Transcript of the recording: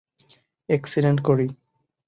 Accident করি।